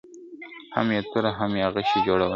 هم یې توري هم یې غشي جوړوله ..